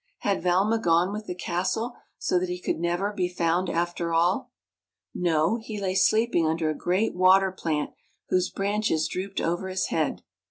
Had Valma gone with the castle, so that he could never be found, after all ? No; he lay sleeping under a great water plant whose branches drooped over his head.